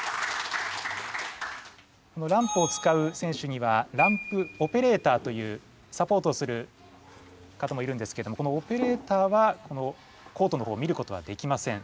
ランプを使う選手にはランプオペレーターというサポートをする方もいるんですけどもこのオペレーターはこのコートのほうを見ることはできません。